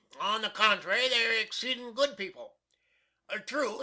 On the cont'ry, they air exceedin' good people.